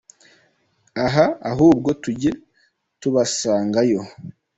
aha ahubwo tujye tubasangayo.